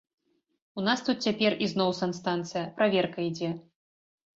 У нас тут цяпер ізноў санстанцыя, праверка ідзе.